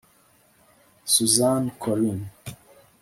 suzanne collins